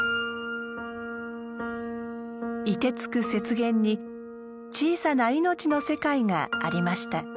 凍てつく雪原に小さな命の世界がありました。